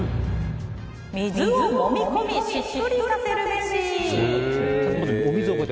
水をもみ込みしっとりさせるべし。